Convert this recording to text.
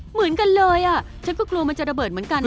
เหมือนกันเลยอ่ะฉันก็กลัวมันจะระเบิดเหมือนกัน